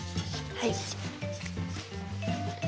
はい。